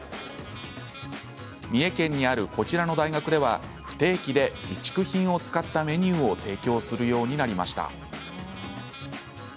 三重県にあるこちらの大学では不定期で備蓄品を使ったメニューを提供するようになりました。